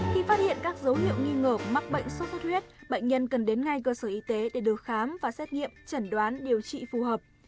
khi phát hiện các dấu hiệu nghi ngờ mắc bệnh sốt xuất huyết bệnh nhân cần đến ngay cơ sở y tế để được khám và xét nghiệm chẩn đoán điều trị phù hợp